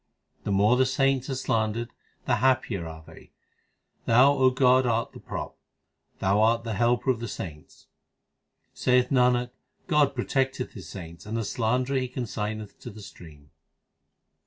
The more the saints are slandered, the happier are they, Thou, O God, art the prop, Thou art the helper of the saints. Saith Nanak, God protecteth His saints, and the slanderer He consigneth to the stream.